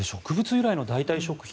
由来の代替食品